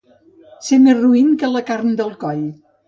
Ser més roín que la carn de coll.